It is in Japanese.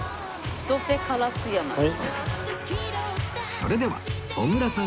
それでは小倉さん